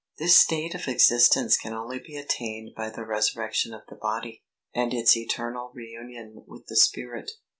This state of existence can only be attained by the resurrection of the body, and its eternal re union with the spirit.